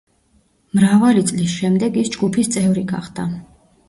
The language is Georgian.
მრავალი წლის შემდეგ ის ჯგუფის წევრი გახდა.